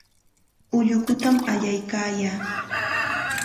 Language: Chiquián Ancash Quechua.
Ullukutam allaykaayaa.